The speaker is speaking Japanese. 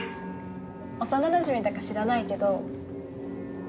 幼なじみだか知らないけど。